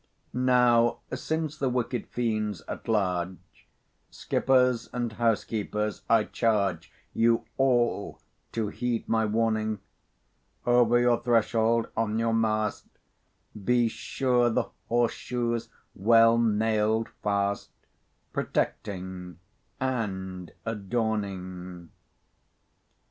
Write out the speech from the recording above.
Now, since the wicked fiend's at large, Skippers, and housekeepers, I charge You all to heed my warning. Over your threshold, on your mast, Be sure the horse shoe's well nailed fast, Protecting and adorning.